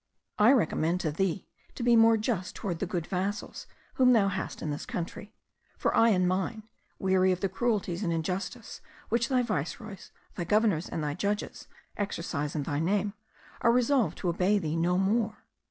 I recommend to thee to be more just toward the good vassals whom thou hast in this country: for I and mine, weary of the cruelties and injustice which thy viceroys, thy governors, and thy judges, exercise in thy name, are resolved to obey thee no more.